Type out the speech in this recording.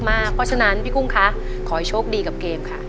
เพราะฉะนั้นพี่กุ้งคะขอให้โชคดีกับเกมค่ะ